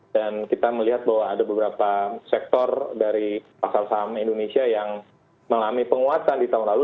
dan kita melihat bahwa ada beberapa sektor dari pasar saham indonesia yang melami penguatan di tahun lalu